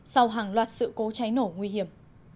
sau hàng loạt sự cố cháy nổ nguy hiểm